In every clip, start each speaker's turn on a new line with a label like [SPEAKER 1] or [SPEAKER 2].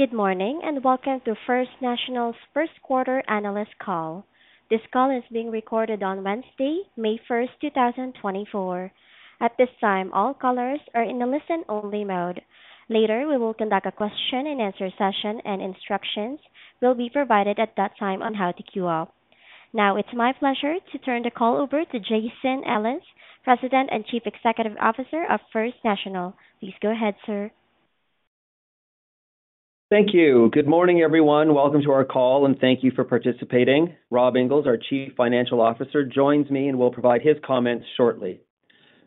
[SPEAKER 1] Good morning, and welcome to First National's first quarter analyst call. This call is being recorded on Wednesday, May 1, 2024. At this time, all callers are in a listen-only mode. Later, we will conduct a question-and-answer session, and instructions will be provided at that time on how to queue up. Now, it's my pleasure to turn the call over to Jason Ellis, President and Chief Executive Officer of First National. Please go ahead, sir.
[SPEAKER 2] Thank you. Good morning, everyone. Welcome to our call, and thank you for participating. Robert Inglis, our Chief Financial Officer, joins me and will provide his comments shortly.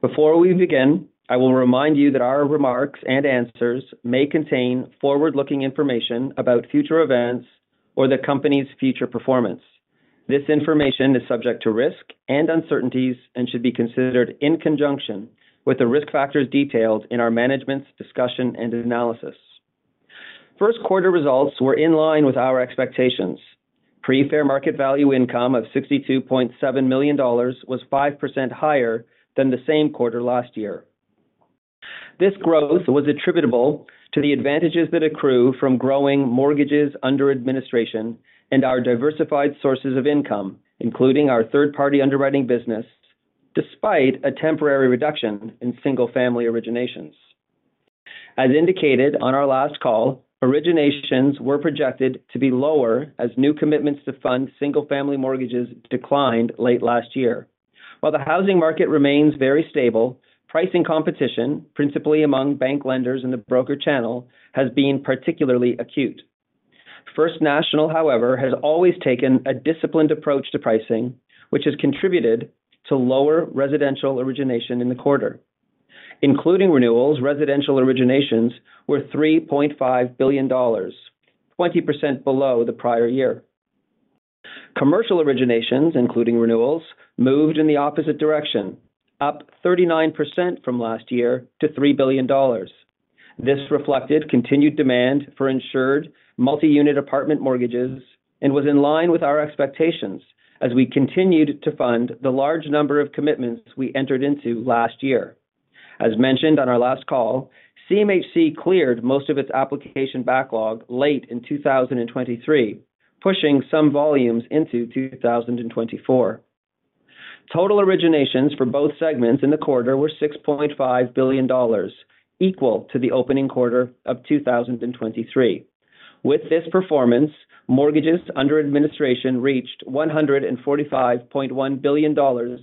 [SPEAKER 2] Before we begin, I will remind you that our remarks and answers may contain forward-looking information about future events or the company's future performance. This information is subject to risk and uncertainties and should be considered in conjunction with the risk factors detailed in our management's discussion and analysis. First quarter results were in line with our expectations. Pre-fair market value income of 62.7 million dollars was 5% higher than the same quarter last year. This growth was attributable to the advantages that accrue from growing mortgages under administration and our diversified sources of income, including our third-party underwriting business, despite a temporary reduction in single-family originations. As indicated on our last call, originations were projected to be lower as new commitments to fund single-family mortgages declined late last year. While the housing market remains very stable, pricing competition, principally among bank lenders in the broker channel, has been particularly acute. First National, however, has always taken a disciplined approach to pricing, which has contributed to lower residential origination in the quarter. Including renewals, residential originations were 3.5 billion dollars, 20% below the prior year. Commercial originations, including renewals, moved in the opposite direction, up 39% from last year to 3 billion dollars. This reflected continued demand for insured multi-unit apartment mortgages and was in line with our expectations as we continued to fund the large number of commitments we entered into last year. As mentioned on our last call, CMHC cleared most of its application backlog late in 2023, pushing some volumes into 2024. Total originations for both segments in the quarter were 6.5 billion dollars, equal to the opening quarter of 2023. With this performance, mortgages under administration reached 145.1 billion dollars,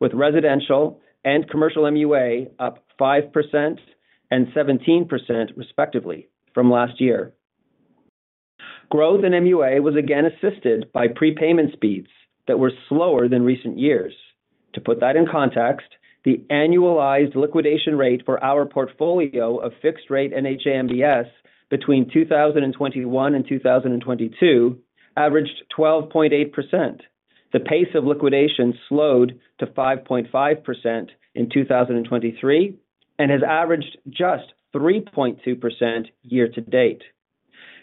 [SPEAKER 2] with residential and commercial MUA up 5% and 17%, respectively, from last year. Growth in MUA was again assisted by prepayment speeds that were slower than recent years. To put that in context, the annualized liquidation rate for our portfolio of fixed-rate NHA MBS between 2021 and 2022 averaged 12.8%. The pace of liquidation slowed to 5.5% in 2023 and has averaged just 3.2% year to date.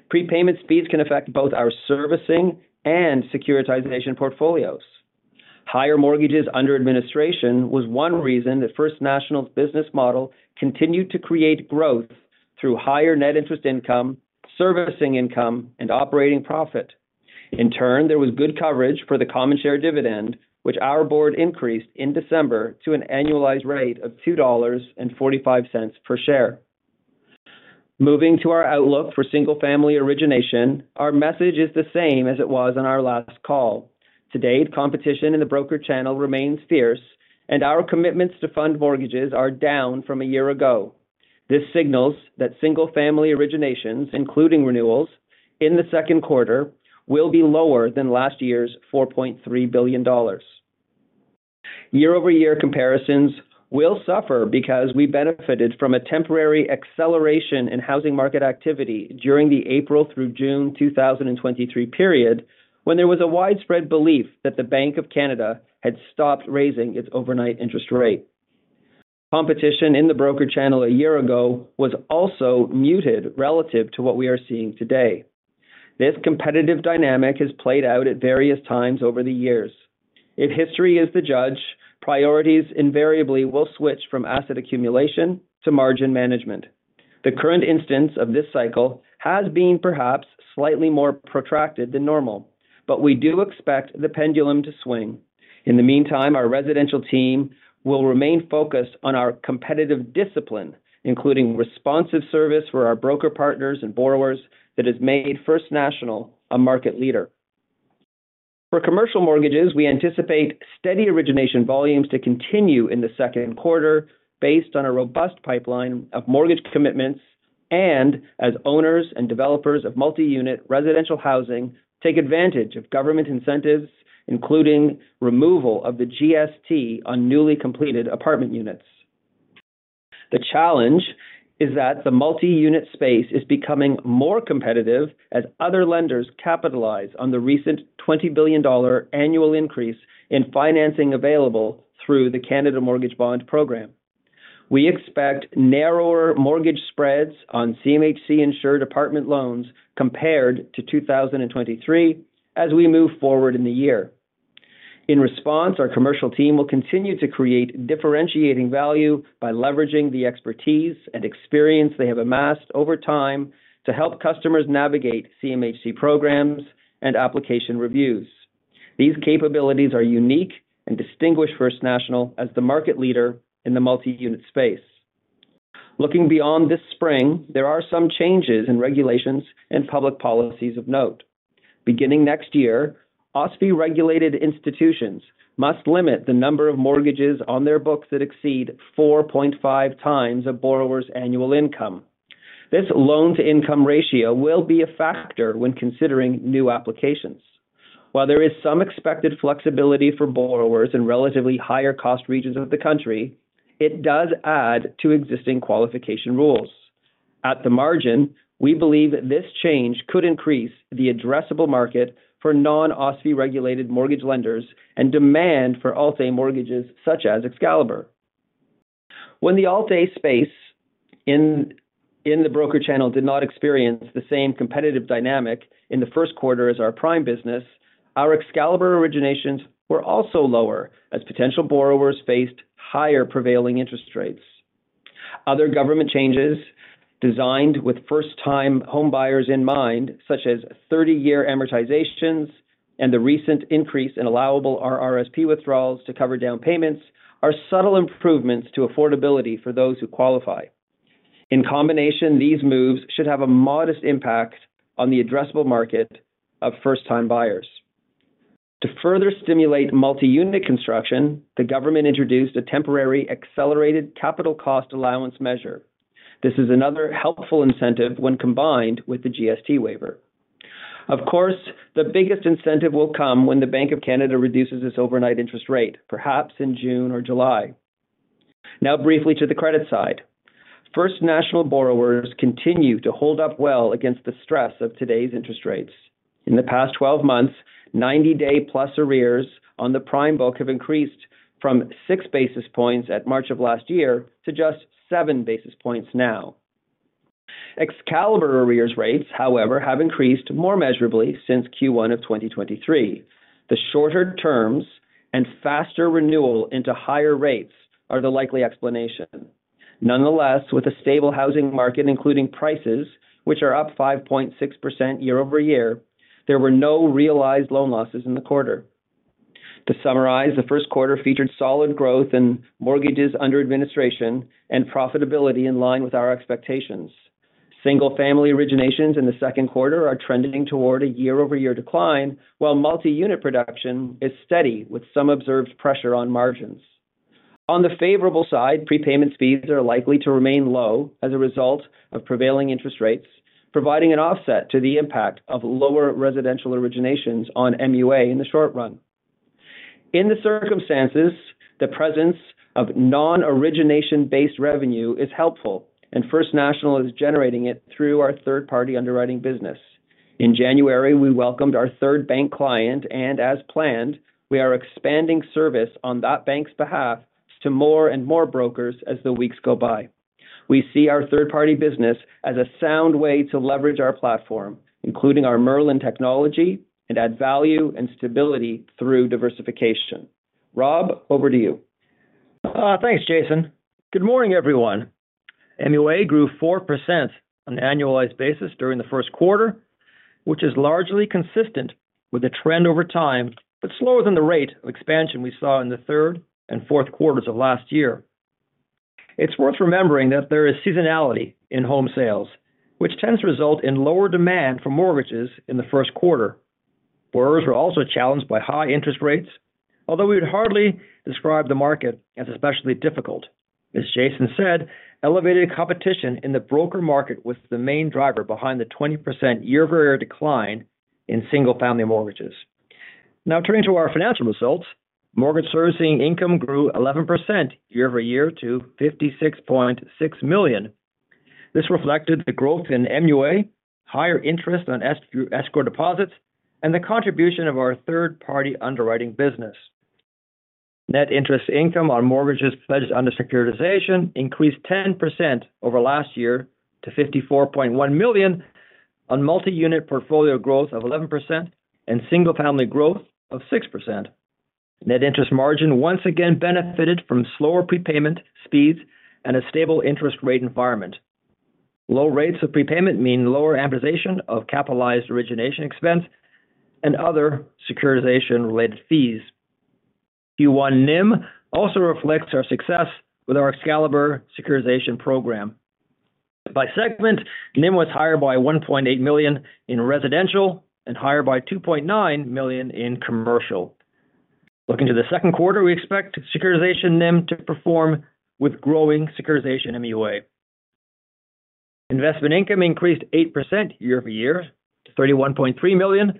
[SPEAKER 2] Prepayment speeds can affect both our servicing and securitization portfolios. Higher mortgages under administration was one reason that First National's business model continued to create growth through higher net interest income, servicing income, and operating profit. In turn, there was good coverage for the common share dividend, which our board increased in December to an annualized rate of 2.45 dollars per share. Moving to our outlook for single-family origination, our message is the same as it was on our last call. To date, competition in the broker channel remains fierce, and our commitments to fund mortgages are down from a year ago. This signals that single-family originations, including renewals in the second quarter, will be lower than last year's 4.3 billion dollars. Year-over-year comparisons will suffer because we benefited from a temporary acceleration in housing market activity during the April through June 2023 period, when there was a widespread belief that the Bank of Canada had stopped raising its overnight interest rate. Competition in the broker channel a year ago was also muted relative to what we are seeing today. This competitive dynamic has played out at various times over the years. If history is the judge, priorities invariably will switch from asset accumulation to margin management. The current instance of this cycle has been perhaps slightly more protracted than normal, but we do expect the pendulum to swing. In the meantime, our residential team will remain focused on our competitive discipline, including responsive service for our broker partners and borrowers that has made First National a market leader. For commercial mortgages, we anticipate steady origination volumes to continue in the second quarter based on a robust pipeline of mortgage commitments and as owners and developers of multi-unit residential housing take advantage of government incentives, including removal of the GST on newly completed apartment units. The challenge is that the multi-unit space is becoming more competitive as other lenders capitalize on the recent 20 billion dollar annual increase in financing available through the Canada Mortgage Bond program. We expect narrower mortgage spreads on CMHC-insured apartment loans compared to 2023 as we move forward in the year. In response, our commercial team will continue to create differentiating value by leveraging the expertise and experience they have amassed over time to help customers navigate CMHC programs and application reviews. These capabilities are unique and distinguish First National as the market leader in the multi-unit space. Looking beyond this spring, there are some changes in regulations and public policies of note. Beginning next year, OSFI-regulated institutions must limit the number of mortgages on their books that exceed 4.5 times a borrower's annual income. This loan-to-income ratio will be a factor when considering new applications. While there is some expected flexibility for borrowers in relatively higher-cost regions of the country, it does add to existing qualification rules. At the margin, we believe this change could increase the addressable market for non-OSFI-regulated mortgage lenders and demand for Alt-A mortgages, such as Excalibur. When the Alt-A space in the broker channel did not experience the same competitive dynamic in the first quarter as our prime business, our Excalibur originations were also lower as potential borrowers faced higher prevailing interest rates. Other government changes designed with first-time homebuyers in mind, such as 30-year amortizations and the recent increase in allowable RRSP withdrawals to cover down payments, are subtle improvements to affordability for those who qualify. In combination, these moves should have a modest impact on the addressable market of first-time buyers. To further stimulate multi-unit construction, the government introduced a temporary accelerated capital cost allowance measure. This is another helpful incentive when combined with the GST waiver. Of course, the biggest incentive will come when the Bank of Canada reduces its overnight interest rate, perhaps in June or July. Now, briefly to the credit side. First National borrowers continue to hold up well against the stress of today's interest rates. In the past 12 months, 90-day-plus arrears on the prime book have increased from 6 basis points at March of last year to just 7 basis points now. Excalibur arrears rates, however, have increased more measurably since Q1 of 2023. The shorter terms and faster renewal into higher rates are the likely explanation. Nonetheless, with a stable housing market, including prices, which are up 5.6% year-over-year, there were no realized loan losses in the quarter. To summarize, the first quarter featured solid growth in mortgages under administration and profitability in line with our expectations. Single-family originations in the second quarter are trending toward a year-over-year decline, while multi-unit production is steady, with some observed pressure on margins. On the favorable side, prepayment speeds are likely to remain low as a result of prevailing interest rates, providing an offset to the impact of lower residential originations on MUA in the short run. In the circumstances, the presence of non-origination-based revenue is helpful, and First National is generating it through our third-party underwriting business. In January, we welcomed our third bank client, and as planned, we are expanding service on that bank's behalf to more and more brokers as the weeks go by. We see our third-party business as a sound way to leverage our platform, including our Merlin technology, and add value and stability through diversification. Rob, over to you.
[SPEAKER 3] Thanks, Jason. Good morning, everyone. MUA grew 4% on an annualized basis during the first quarter, which is largely consistent with the trend over time, but slower than the rate of expansion we saw in the third and fourth quarters of last year. It's worth remembering that there is seasonality in home sales, which tends to result in lower demand for mortgages in the first quarter. Borrowers were also challenged by high interest rates, although we would hardly describe the market as especially difficult. As Jason said, elevated competition in the broker market was the main driver behind the 20% year-over-year decline in single-family mortgages. Now, turning to our financial results. Mortgage servicing income grew 11% year-over-year to 56.6 million. This reflected the growth in MUA, higher interest on escrow deposits, and the contribution of our third-party underwriting business. Net interest income on mortgages pledged under securitization increased 10% over last year to 54.1 million, on multi-unit portfolio growth of 11% and single-family growth of 6%. Net interest margin once again benefited from slower prepayment speeds and a stable interest rate environment. Low rates of prepayment mean lower amortization of capitalized origination expense and other securitization-related fees. Q1 NIM also reflects our success with our Excalibur securitization program. By segment, NIM was higher by 1.8 million in residential and higher by 2.9 million in commercial. Looking to the second quarter, we expect securitization NIM to perform with growing securitization MUA. Investment income increased 8% year-over-year to 31.3 million,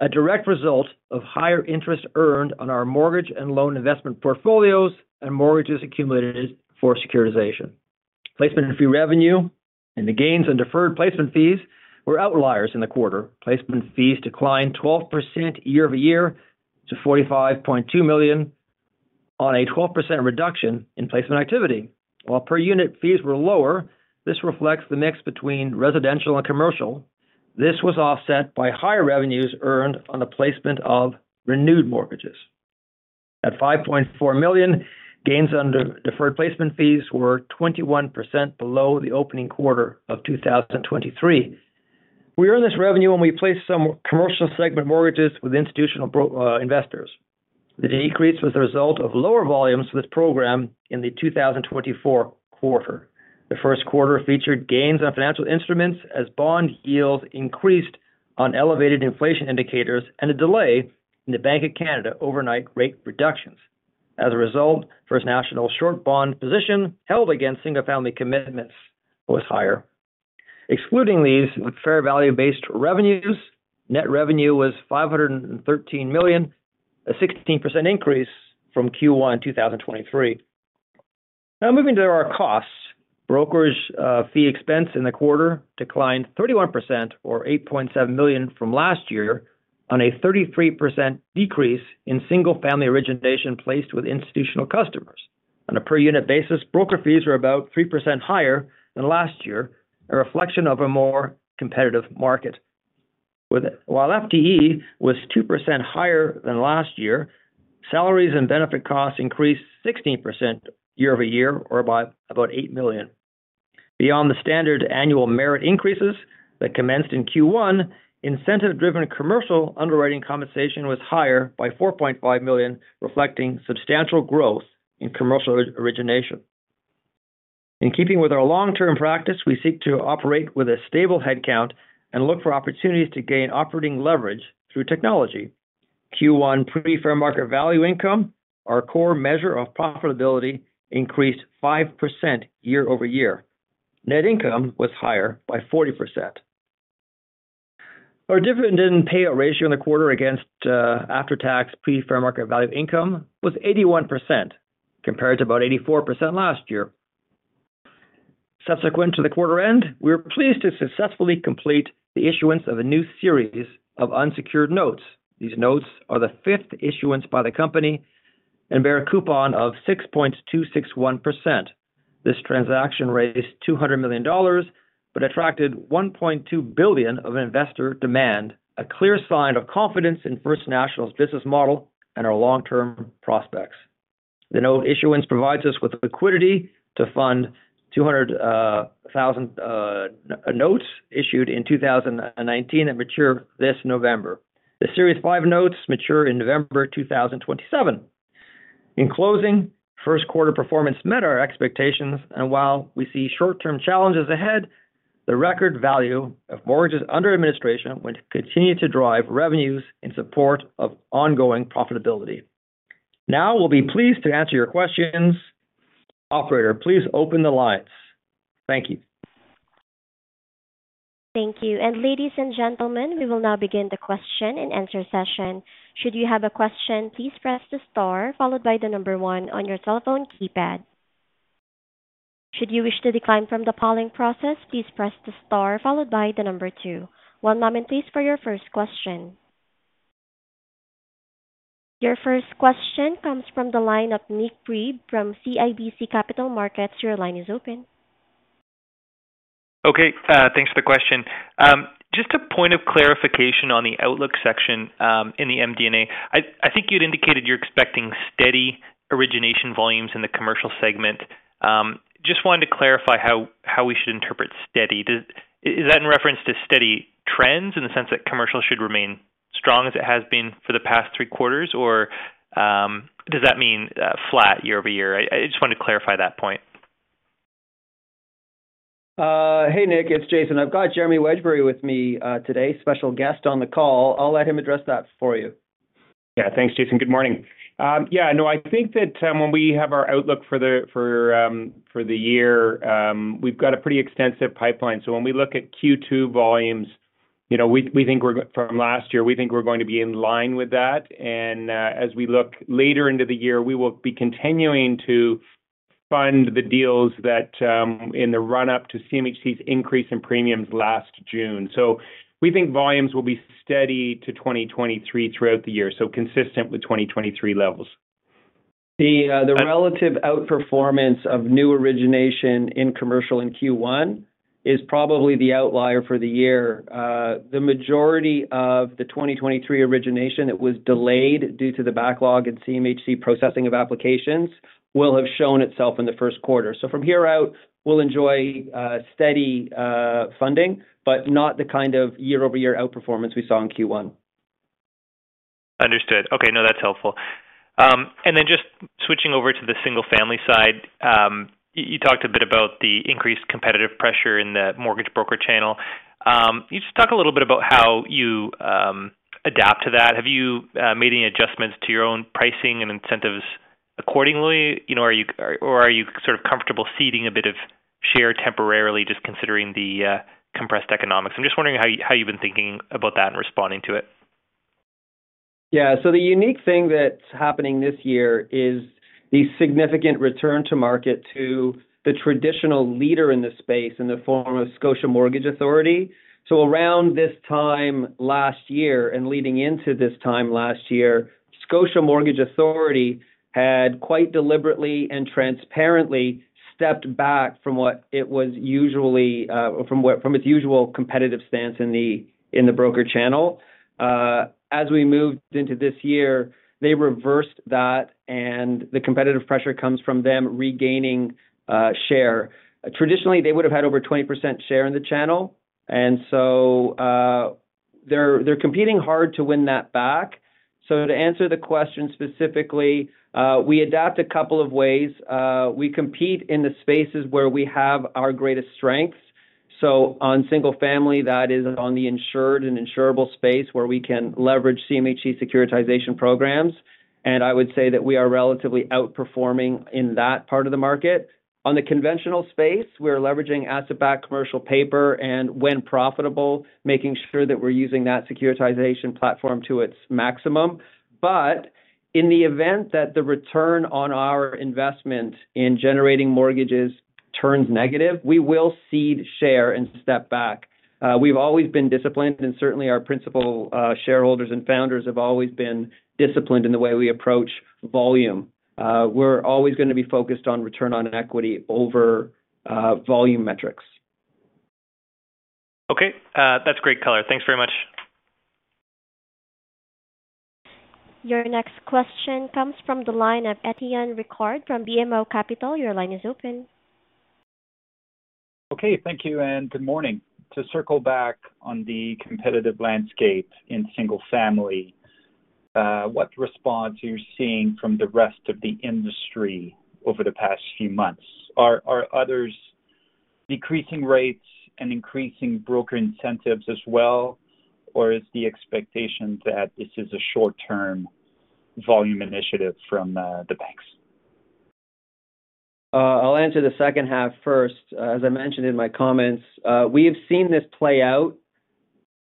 [SPEAKER 3] a direct result of higher interest earned on our mortgage and loan investment portfolios and mortgages accumulated for securitization. Placement and fee revenue and the gains on deferred placement fees were outliers in the quarter. Placement fees declined 12% year-over-year to 45.2 million on a 12% reduction in placement activity. While per unit fees were lower, this reflects the mix between residential and commercial. This was offset by higher revenues earned on the placement of renewed mortgages. At 5.4 million, gains under deferred placement fees were 21% below the opening quarter of 2023. We earned this revenue when we placed some commercial segment mortgages with institutional pro investors. The decrease was a result of lower volumes for this program in the 2024 quarter. The first quarter featured gains on financial instruments as bond yields increased on elevated inflation indicators and a delay in the Bank of Canada overnight rate reductions. As a result, First National short bond position held against single-family commitments was higher. Excluding these with fair value-based revenues, net revenue was 513 million, a 16% increase from Q1 2023. Now moving to our costs. Brokers fee expense in the quarter declined 31% or 8.7 million from last year on a 33% decrease in single-family origination placed with institutional customers. On a per unit basis, broker fees were about 3% higher than last year, a reflection of a more competitive market. While FTE was 2% higher than last year, salaries and benefit costs increased 16% year over year, or by about 8 million. Beyond the standard annual merit increases that commenced in Q1, incentive-driven commercial underwriting compensation was higher by 4.5 million, reflecting substantial growth in commercial origination. In keeping with our long-term practice, we seek to operate with a stable headcount and look for opportunities to gain operating leverage through technology. Q1 pre-fair market value income, our core measure of profitability, increased 5% year-over-year. Net income was higher by 40%. Our dividend payout ratio in the quarter against after-tax pre-fair market value income was 81%, compared to about 84% last year. Subsequent to the quarter end, we were pleased to successfully complete the issuance of a new series of unsecured notes. These notes are the fifth issuance by the company and bear a coupon of 6.261%. This transaction raised 200 million dollars but attracted 1.2 billion of investor demand, a clear sign of confidence in First National's business model and our long-term prospects. The note issuance provides us with the liquidity to fund 200,000 notes issued in 2019 that mature this November. The Series 5 notes mature in November 2027. In closing, first quarter performance met our expectations, and while we see short-term challenges ahead, the record value of mortgages under administration will continue to drive revenues in support of ongoing profitability. Now, we'll be pleased to answer your questions. Operator, please open the lines. Thank you.
[SPEAKER 1] Thank you. Ladies and gentlemen, we will now begin the question-and-answer session. Should you have a question, please press the star followed by 1 on your telephone keypad. Should you wish to decline from the polling process, please press the star followed by 2. One moment, please, for your first question. Your first question comes from the line of Nik Priebe from CIBC Capital Markets. Your line is open.
[SPEAKER 4] Okay, thanks for the question. Just a point of clarification on the outlook section, in the MD&A. I think you'd indicated you're expecting steady origination volumes in the commercial segment. Just wanted to clarify how we should interpret steady. Is that in reference to steady trends in the sense that commercial should remain strong as it has been for the past three quarters? Or, does that mean flat year over year? I just wanted to clarify that point.
[SPEAKER 3] Hey, Nick, it's Jason. I've got Jeremy Wedgbury with me, today, special guest on the call. I'll let him address that for you.
[SPEAKER 4] Yeah, thanks, Jason. Good morning. Yeah, no, I think that, when we have our outlook for the, for, for the year, we've got a pretty extensive pipeline. So when we look at Q2 volumes, you know, we, we think we're—from last year, we think we're going to be in line with that. And, as we look later into the year, we will be continuing to fund the deals that, in the run-up to CMHC's increase in premiums last June. So we think volumes will be steady to 2023 throughout the year, so consistent with 2023 levels.
[SPEAKER 3] The relative outperformance of new origination in commercial in Q1 is probably the outlier for the year. The majority of the 2023 origination that was delayed due to the backlog in CMHC processing of applications will have shown itself in the first quarter. So from here out, we'll enjoy steady funding, but not the kind of year-over-year outperformance we saw in Q1.
[SPEAKER 4] Understood. Okay. No, that's helpful. And then just switching over to the single-family side, you talked a bit about the increased competitive pressure in the mortgage broker channel. Can you just talk a little bit about how you adapt to that? Have you made any adjustments to your own pricing and incentives accordingly? You know, are you or are you sort of comfortable ceding a bit of share temporarily, just considering the compressed economics? I'm just wondering how you, how you've been thinking about that and responding to it....
[SPEAKER 2] Yeah, so the unique thing that's happening this year is the significant return to market to the traditional leader in the space in the form of Scotia Mortgage Authority. So around this time last year, and leading into this time last year, Scotia Mortgage Authority had quite deliberately and transparently stepped back from its usual competitive stance in the broker channel. As we moved into this year, they reversed that, and the competitive pressure comes from them regaining share. Traditionally, they would have had over 20% share in the channel, and so they're competing hard to win that back. So to answer the question specifically, we adapt a couple of ways. We compete in the spaces where we have our greatest strengths. So on single family, that is on the insured and insurable space, where we can leverage CMHC securitization programs. I would say that we are relatively outperforming in that part of the market. On the conventional space, we're leveraging asset-backed commercial paper, and when profitable, making sure that we're using that securitization platform to its maximum. But in the event that the return on our investment in generating mortgages turns negative, we will cede share and step back. We've always been disciplined, and certainly our principal shareholders and founders have always been disciplined in the way we approach volume. We're always gonna be focused on return on equity over volume metrics.
[SPEAKER 4] Okay, that's great color. Thanks very much.
[SPEAKER 1] Your next question comes from the line of Étienne Ricard from BMO Capital. Your line is open.
[SPEAKER 5] Okay, thank you, and good morning. To circle back on the competitive landscape in single family, what response are you seeing from the rest of the industry over the past few months? Are others decreasing rates and increasing broker incentives as well, or is the expectation that this is a short-term volume initiative from the banks?
[SPEAKER 2] I'll answer the second half first. As I mentioned in my comments, we have seen this play out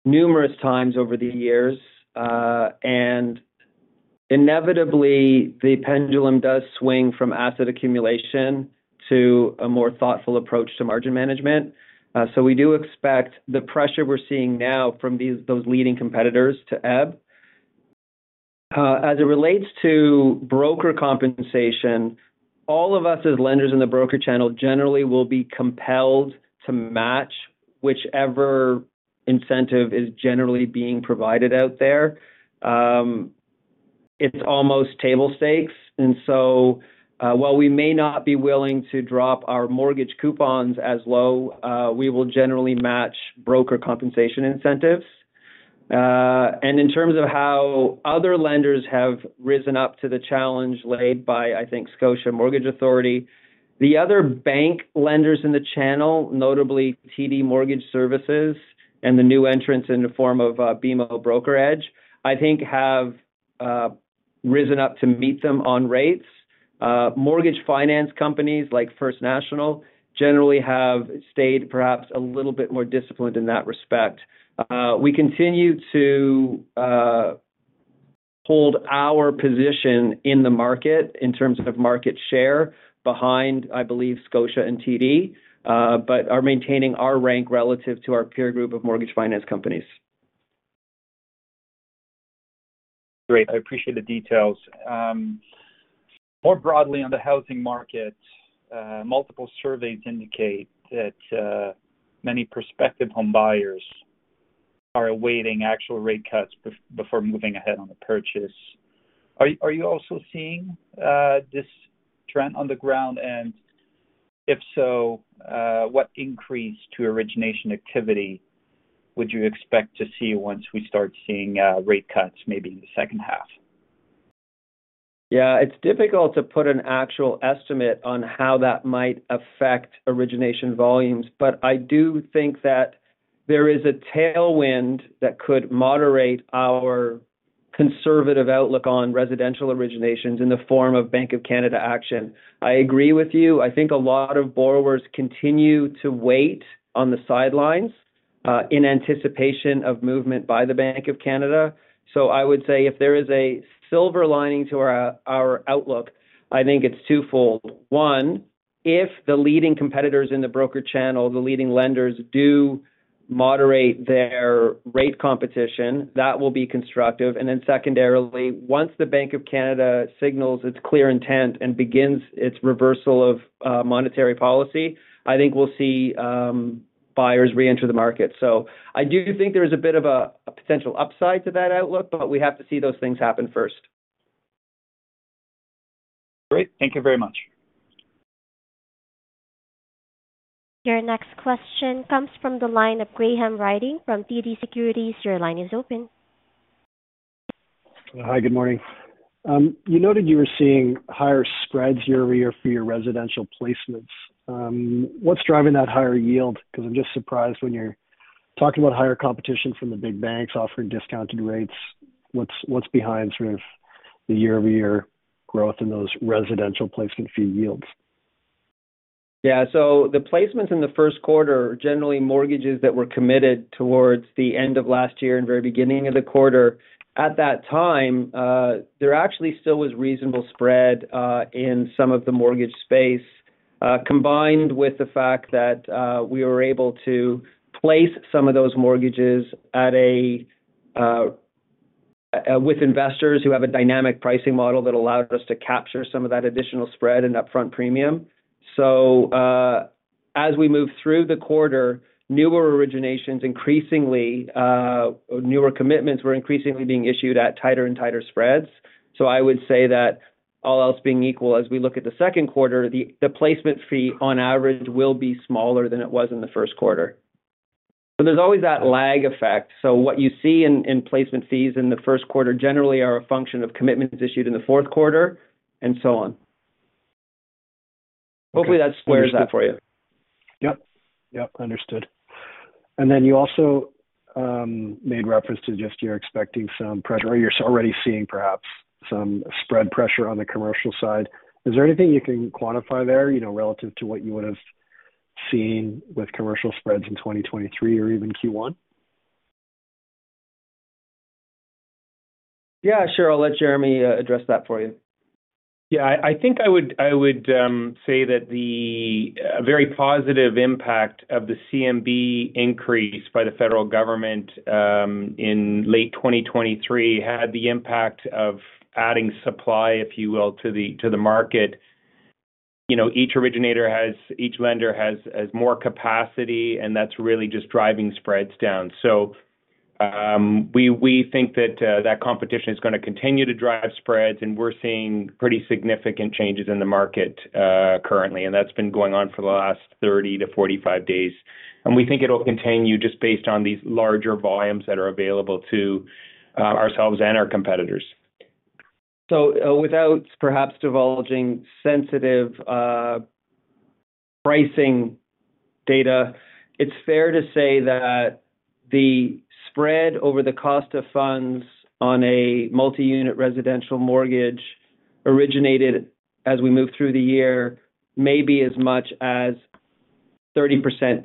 [SPEAKER 2] numerous times over the years, and inevitably, the pendulum does swing from asset accumulation to a more thoughtful approach to margin management. So we do expect the pressure we're seeing now from those leading competitors to ebb. As it relates to broker compensation, all of us as lenders in the broker channel generally will be compelled to match whichever incentive is generally being provided out there. It's almost table stakes, and so, while we may not be willing to drop our mortgage coupons as low, we will generally match broker compensation incentives. And in terms of how other lenders have risen up to the challenge laid by, I think, Scotia Mortgage Authority, the other bank lenders in the channel, notably TD Mortgage Services and the new entrants in the form of, BMO BrokerEdge, I think have risen up to meet them on rates. Mortgage finance companies like First National generally have stayed perhaps a little bit more disciplined in that respect. We continue to hold our position in the market in terms of market share behind, I believe, Scotia and TD, but are maintaining our rank relative to our peer group of mortgage finance companies.
[SPEAKER 5] Great. I appreciate the details. More broadly on the housing market, multiple surveys indicate that many prospective home buyers are awaiting actual rate cuts before moving ahead on the purchase. Are you also seeing this trend on the ground? And if so, what increase to origination activity would you expect to see once we start seeing rate cuts, maybe in the second half?
[SPEAKER 2] Yeah, it's difficult to put an actual estimate on how that might affect origination volumes, but I do think that there is a tailwind that could moderate our conservative outlook on residential originations in the form of Bank of Canada action. I agree with you. I think a lot of borrowers continue to wait on the sidelines in anticipation of movement by the Bank of Canada. So I would say if there is a silver lining to our outlook, I think it's twofold. One, if the leading competitors in the broker channel, the leading lenders, do moderate their rate competition, that will be constructive. And then secondarily, once the Bank of Canada signals its clear intent and begins its reversal of monetary policy, I think we'll see buyers reenter the market. I do think there is a bit of a potential upside to that outlook, but we have to see those things happen first.
[SPEAKER 5] Great. Thank you very much.
[SPEAKER 1] Your next question comes from the line of Graham Ryding from TD Securities. Your line is open.
[SPEAKER 6] Hi, good morning. You noted you were seeing higher spreads year-over-year for your residential placements. What's driving that higher yield? Because I'm just surprised when you're talking about higher competition from the big banks offering discounted rates. What's behind sort of the year-over-year growth in those residential placement fee yields? ...
[SPEAKER 2] Yeah, so the placements in the first quarter are generally mortgages that were committed towards the end of last year and very beginning of the quarter. At that time, there actually still was reasonable spread in some of the mortgage space, combined with the fact that, we were able to place some of those mortgages with investors who have a dynamic pricing model that allowed us to capture some of that additional spread and upfront premium. So, as we move through the quarter, newer originations, increasingly, newer commitments were increasingly being issued at tighter and tighter spreads. So I would say that all else being equal, as we look at the second quarter, the, the placement fee on average, will be smaller than it was in the first quarter. So there's always that lag effect. So what you see in placement fees in the first quarter generally are a function of commitments issued in the fourth quarter, and so on. Hopefully, that squares that for you.
[SPEAKER 6] Yep. Yep, understood. Then you also made reference to just you're expecting some pressure, or you're already seeing perhaps some spread pressure on the commercial side. Is there anything you can quantify there, you know, relative to what you would have seen with commercial spreads in 2023 or even Q1?
[SPEAKER 2] Yeah, sure. I'll let Jeremy address that for you.
[SPEAKER 7] Yeah, I think I would say that the very positive impact of the CMB increase by the federal government in late 2023 had the impact of adding supply, if you will, to the market. You know, each originator has—each lender has more capacity, and that's really just driving spreads down. So, we think that competition is gonna continue to drive spreads, and we're seeing pretty significant changes in the market currently. And that's been going on for the last 30-45 days. And we think it'll continue just based on these larger volumes that are available to ourselves and our competitors.
[SPEAKER 2] So, without perhaps divulging sensitive, pricing data, it's fair to say that the spread over the cost of funds on a multi-unit residential mortgage originated as we move through the year, may be as much as 30%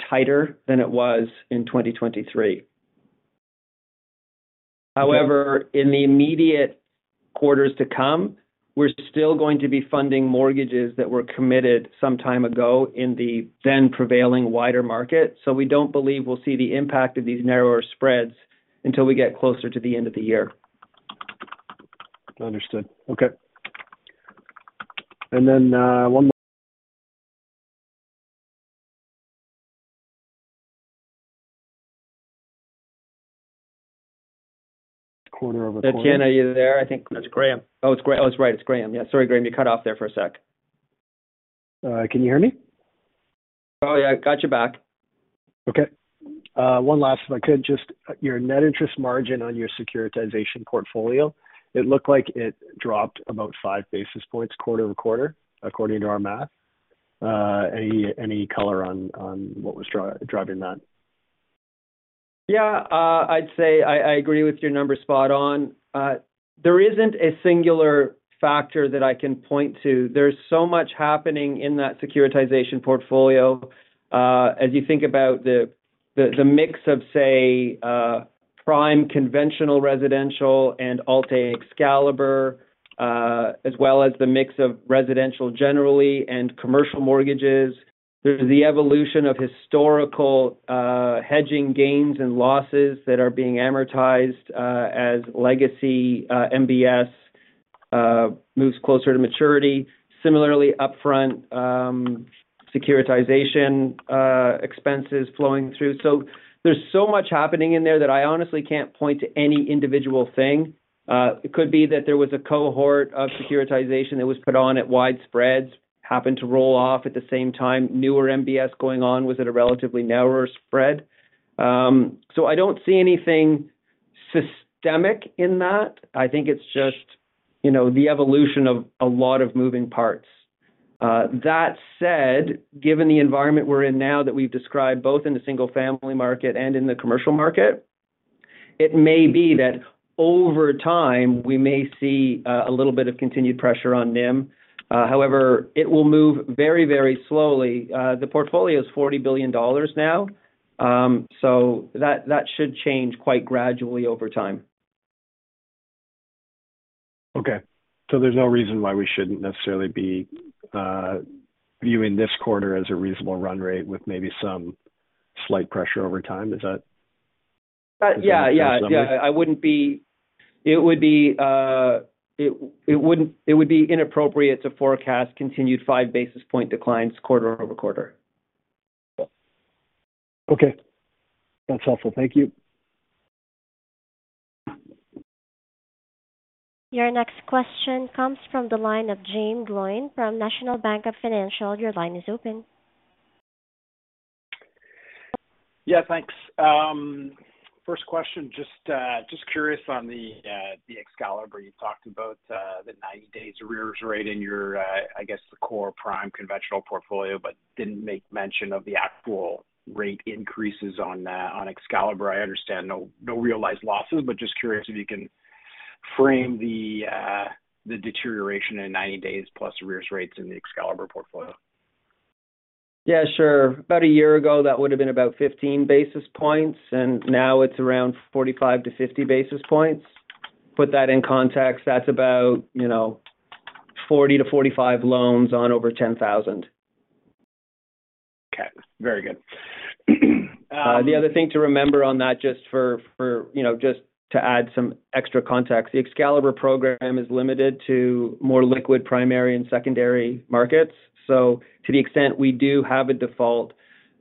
[SPEAKER 2] tighter than it was in 2023. However, in the immediate quarters to come, we're still going to be funding mortgages that were committed some time ago in the then prevailing wider market. So we don't believe we'll see the impact of these narrower spreads until we get closer to the end of the year.
[SPEAKER 6] Understood. Okay. And then, one more-
[SPEAKER 2] Ken, are you there? I think-
[SPEAKER 6] It's Graham.
[SPEAKER 2] Oh, it's right, it's Graham. Yeah. Sorry, Graham, you cut off there for a sec.
[SPEAKER 6] Can you hear me?
[SPEAKER 2] Oh, yeah, I got you back.
[SPEAKER 6] Okay. One last, if I could, just, your net interest margin on your securitization portfolio, it looked like it dropped about five basis points quarter-over-quarter, according to our math. Any color on what was driving that?
[SPEAKER 2] Yeah, I'd say I agree with your numbers spot on. There isn't a singular factor that I can point to. There's so much happening in that securitization portfolio. As you think about the mix of, say, prime conventional residential and Alt-A Excalibur, as well as the mix of residential generally and commercial mortgages. There's the evolution of historical hedging gains and losses that are being amortized, as legacy MBS moves closer to maturity. Similarly, upfront securitization expenses flowing through. So there's so much happening in there that I honestly can't point to any individual thing. It could be that there was a cohort of securitization that was put on at wide spreads, happened to roll off at the same time, newer MBS going on was at a relatively narrower spread. So I don't see anything systemic in that. I think it's just, you know, the evolution of a lot of moving parts. That said, given the environment we're in now that we've described both in the single-family market and in the commercial market, it may be that over time, we may see a little bit of continued pressure on NIM. However, it will move very, very slowly. The portfolio is 40 billion dollars now, so that, that should change quite gradually over time.
[SPEAKER 6] Okay, so there's no reason why we shouldn't necessarily be viewing this quarter as a reasonable run rate with maybe some slight pressure over time. Is that-
[SPEAKER 2] Yeah, yeah, yeah. It would be inappropriate to forecast continued five basis point declines quarter-over-quarter.
[SPEAKER 6] Okay. That's helpful. Thank you.
[SPEAKER 1] Your next question comes from the line of Jaeme Gloyn from National Bank Financial. Your line is open.
[SPEAKER 8] Yeah, thanks. First question, just, just curious on the, the Excalibur. You talked about the 90 days arrears rate in your, I guess, the core prime conventional portfolio, but didn't make mention of the actual rate increases on, on Excalibur. I understand no, no realized losses, but just curious if you can frame the, the deterioration in 90 days plus arrears rates in the Excalibur portfolio? Yeah, sure. About a year ago, that would have been about 15 basis points, and now it's around 45-50 basis points. Put that in context, that's about, you know, 40-45 loans on over 10,000. Okay, very good.
[SPEAKER 2] The other thing to remember on that, just for you know, just to add some extra context, the Excalibur program is limited to more liquid, primary and secondary markets. So to the extent we do have a default,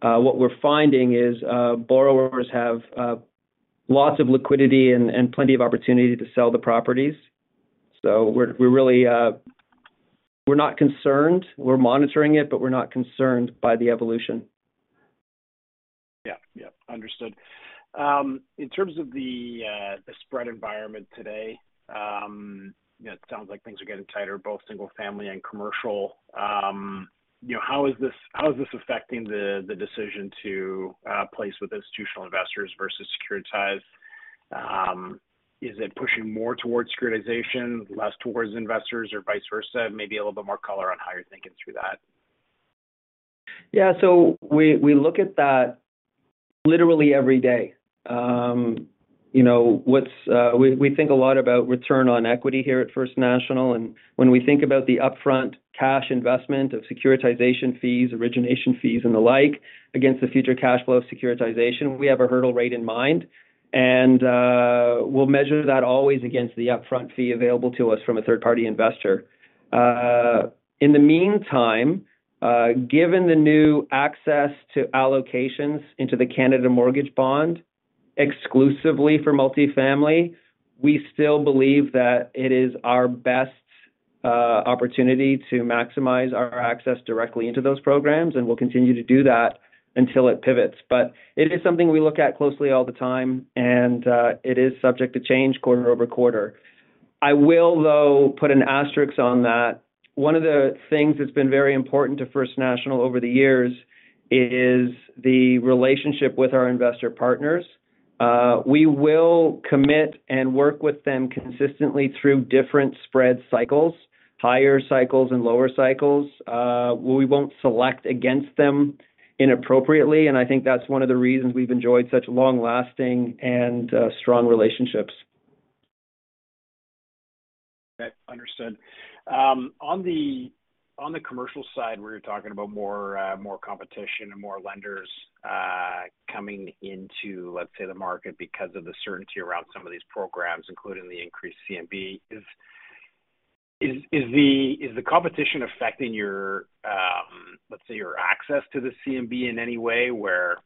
[SPEAKER 2] what we're finding is, borrowers have lots of liquidity and plenty of opportunity to sell the properties. So we're really not concerned. We're monitoring it, but we're not concerned by the evolution.
[SPEAKER 8] Yeah. Yeah, understood. In terms of the spread environment today, you know, it sounds like things are getting tighter, both single-family and commercial. You know, how is this affecting the decision to place with institutional investors versus securitization? Is it pushing more towards securitization, less towards investors, or vice versa? Maybe a little bit more color on how you're thinking through that.
[SPEAKER 2] Yeah, so we look at that literally every day. You know, we think a lot about return on equity here at First National, and when we think about the upfront cash investment of securitization fees, origination fees, and the like, against the future cash flow of securitization, we have a hurdle rate in mind. And we'll measure that always against the upfront fee available to us from a third-party investor. In the meantime, given the new access to allocations into the Canada Mortgage Bond exclusively for multifamily, we still believe that it is our best opportunity to maximize our access directly into those programs, and we'll continue to do that until it pivots. But it is something we look at closely all the time, and it is subject to change quarter-over-quarter. I will, though, put an asterisk on that. One of the things that's been very important to First National over the years is the relationship with our investor partners. We will commit and work with them consistently through different spread cycles, higher cycles and lower cycles. We won't select against them inappropriately, and I think that's one of the reasons we've enjoyed such long-lasting and strong relationships.
[SPEAKER 8] Okay, understood. On the, on the commercial side, where you're talking about more, more competition and more lenders, coming into, let's say, the market, because of the certainty around some of these programs, including the increased CMB, is, is, is the, is the competition affecting your, let's say, your access to the CMB in any way? Where,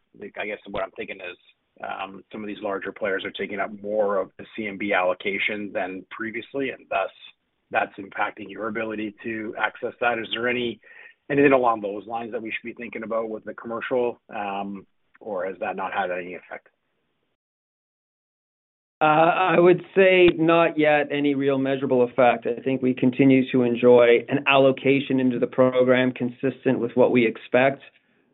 [SPEAKER 8] I guess what I'm thinking is, some of these larger players are taking up more of the CMB allocation than previously, and thus, that's impacting your ability to access that. Is there any, anything along those lines that we should be thinking about with the commercial, or has that not had any effect?
[SPEAKER 2] I would say not yet any real measurable effect. I think we continue to enjoy an allocation into the program consistent with what we expect.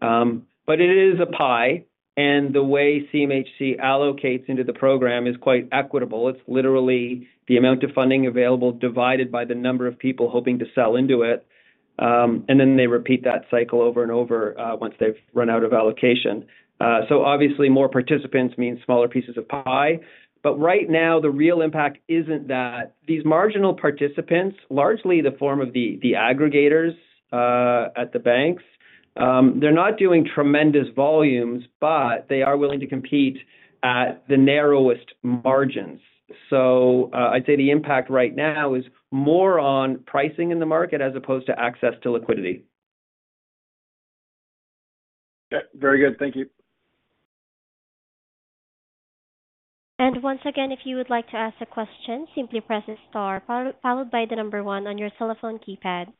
[SPEAKER 2] But it is a pie, and the way CMHC allocates into the program is quite equitable. It's literally the amount of funding available, divided by the number of people hoping to sell into it. And then they repeat that cycle over and over, once they've run out of allocation. So obviously, more participants mean smaller pieces of pie. But right now, the real impact isn't that. These marginal participants, largely the form of the aggregators at the banks, they're not doing tremendous volumes, but they are willing to compete at the narrowest margins. I'd say the impact right now is more on pricing in the market as opposed to access to liquidity.
[SPEAKER 8] Yeah, very good. Thank you.
[SPEAKER 1] And once again, if you would like to ask a question, simply press star, followed by the number one on your telephone keypad.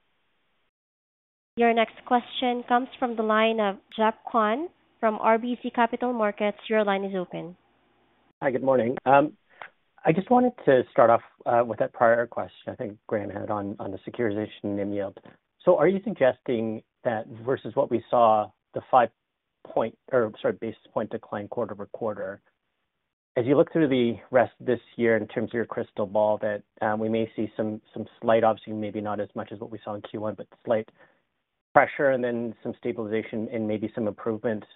[SPEAKER 1] Your next question comes from the line of Geoffrey Kwan from RBC Capital Markets. Your line is open.
[SPEAKER 9] Hi, good morning. I just wanted to start off with that prior question I think Graham had on the securitization NIM yield. So are you suggesting that versus what we saw, the 5 point, or sorry, basis point decline quarter-over-quarter, as you look through the rest of this year in terms of your crystal ball, that we may see some slight obviously, maybe not as much as what we saw in Q1, but slight pressure and then some stabilization and maybe some improvements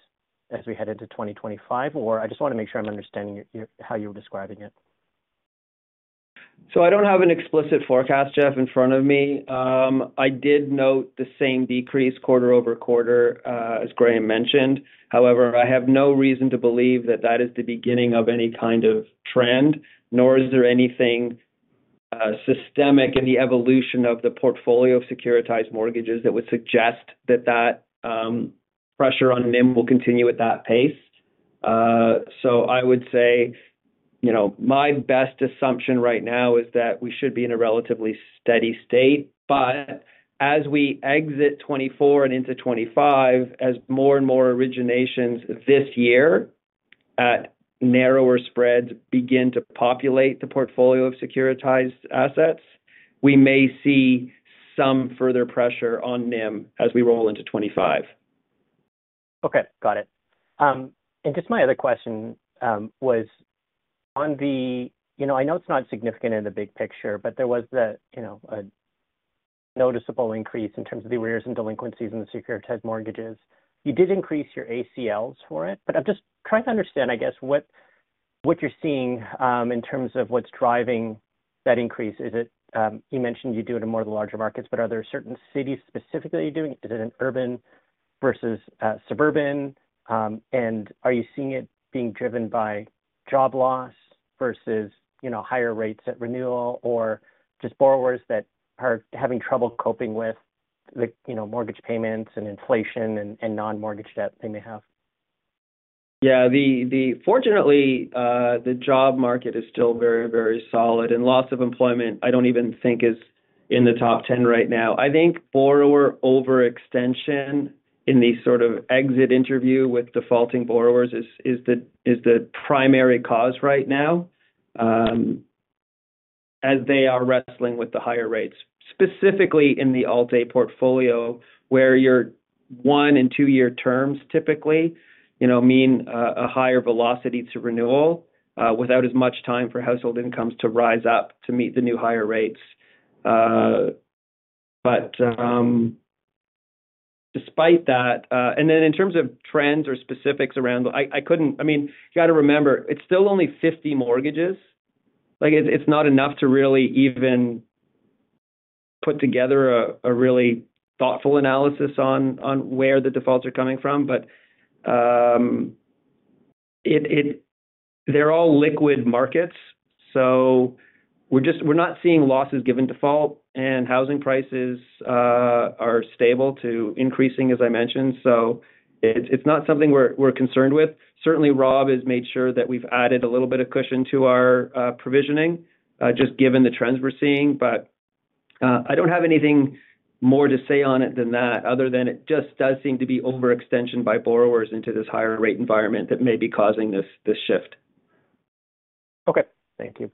[SPEAKER 9] as we head into 2025? Or I just wanna make sure I'm understanding your how you're describing it.
[SPEAKER 2] So I don't have an explicit forecast, Jeff, in front of me. I did note the same decrease quarter-over-quarter, as Graham mentioned. However, I have no reason to believe that that is the beginning of any kind of trend, nor is there anything systemic in the evolution of the portfolio of securitized mortgages that would suggest that that pressure on NIM will continue at that pace. So I would say, you know, my best assumption right now is that we should be in a relatively steady state. But as we exit 2024 and into 2025, as more and more originations this year at narrower spreads begin to populate the portfolio of securitized assets, we may see some further pressure on NIM as we roll into 2025....
[SPEAKER 9] Okay, got it. And just my other question was on the, you know, I know it's not significant in the big picture, but there was the, you know, a noticeable increase in terms of the arrears and delinquencies in the securitized mortgages. You did increase your ACLs for it, but I'm just trying to understand, I guess, what, what you're seeing in terms of what's driving that increase. Is it you mentioned you do it in more of the larger markets, but are there certain cities specifically you're doing? Is it an urban versus suburban? And are you seeing it being driven by job loss versus, you know, higher rates at renewal, or just borrowers that are having trouble coping with the, you know, mortgage payments and inflation and non-mortgage debt they may have?
[SPEAKER 2] Yeah. Fortunately, the job market is still very, very solid, and loss of employment, I don't even think is in the top ten right now. I think borrower overextension in the sort of exit interview with defaulting borrowers is the primary cause right now, as they are wrestling with the higher rates. Specifically in the Alt-A portfolio, where your one- and two-year terms typically, you know, mean a higher velocity to renewal, without as much time for household incomes to rise up to meet the new higher rates. But despite that. And then in terms of trends or specifics around the. I couldn't. I mean, you got to remember, it's still only 50 mortgages. Like, it's not enough to really even put together a really thoughtful analysis on where the defaults are coming from. But they're all liquid markets, so we're not seeing losses given default, and housing prices are stable to increasing, as I mentioned. So it's not something we're concerned with. Certainly, Rob has made sure that we've added a little bit of cushion to our provisioning, just given the trends we're seeing. But I don't have anything more to say on it than that, other than it just does seem to be overextension by borrowers into this higher rate environment that may be causing this shift.
[SPEAKER 9] Okay. Thank you.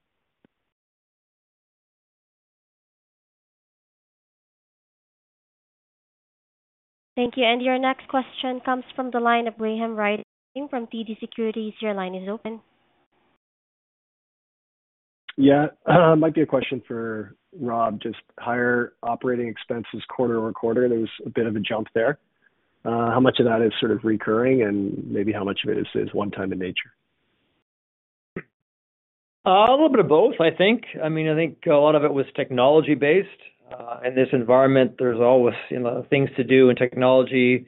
[SPEAKER 1] Thank you. Your next question comes from the line of Graham Ryding from TD Securities. Your line is open.
[SPEAKER 6] Yeah. Might be a question for Rob. Just higher operating expenses quarter-over-quarter, there was a bit of a jump there. How much of that is sort of recurring, and maybe how much of it is one-time in nature?
[SPEAKER 3] A little bit of both, I think. I mean, I think a lot of it was technology-based. In this environment, there's always, you know, things to do in technology,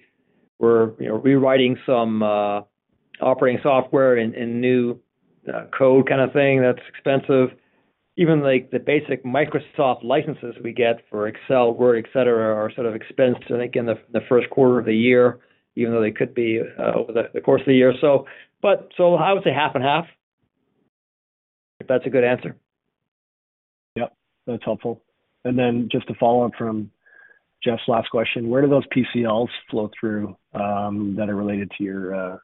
[SPEAKER 3] where, you know, rewriting some operating software and new code kind of thing, that's expensive. Even like the basic Microsoft licenses we get for Excel, Word, et cetera, are sort of expensed, I think, in the first quarter of the year, even though they could be over the course of the year. So but, so I would say half and half, if that's a good answer.
[SPEAKER 6] Yep, that's helpful. And then just to follow up from Jeff's last question, where do those PCLs flow through, that are related to your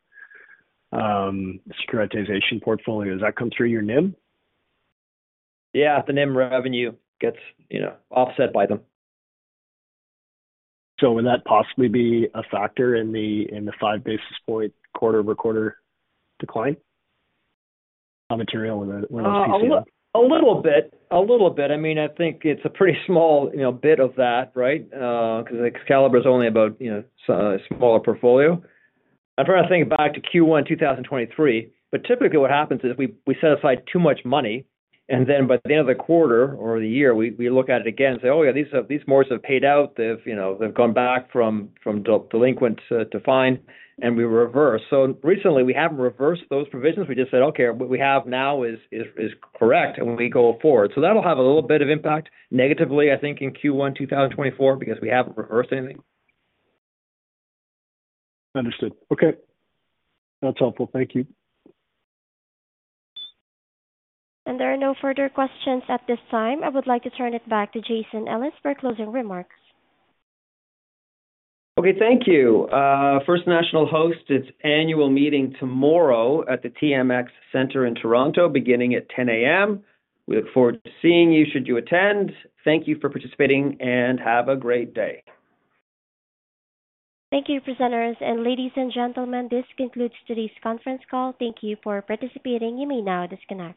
[SPEAKER 6] securitization portfolio? Does that come through your NIM?
[SPEAKER 2] Yeah, the NIM revenue gets, you know, offset by them.
[SPEAKER 6] So would that possibly be a factor in the 5 basis point quarter-over-quarter decline, material when it
[SPEAKER 2] A little bit. A little bit. I mean, I think it's a pretty small, you know, bit of that, right? Because Excalibur is only about, you know, a smaller portfolio. I'm trying to think back to Q1 2023, but typically what happens is we set aside too much money, and then by the end of the quarter or the year, we look at it again and say, "Oh, yeah, these mortgages have paid out. They've, you know, they've gone back from delinquent to fine," and we reverse. So recently we haven't reversed those provisions. We just said, "Okay, what we have now is correct," and we go forward. So that'll have a little bit of impact negatively, I think, in Q1 2024, because we haven't reversed anything.
[SPEAKER 6] Understood. Okay. That's helpful. Thank you.
[SPEAKER 1] There are no further questions at this time. I would like to turn it back to Jason Ellis for closing remarks.
[SPEAKER 2] Okay, thank you. First National hosts its annual meeting tomorrow at the TMX Market Centre in Toronto, beginning at 10:00 A.M. We look forward to seeing you should you attend. Thank you for participating, and have a great day.
[SPEAKER 1] Thank you, presenters and ladies and gentlemen, this concludes today's conference call. Thank you for participating. You may now disconnect.